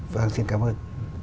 và xin cảm ơn